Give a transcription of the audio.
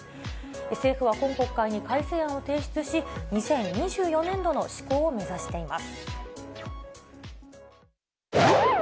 政府は今国会に改正案を提出し、２０２４年度の施行を目指しています。